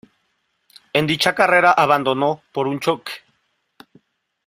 En dicha carrera abandonó por un choque.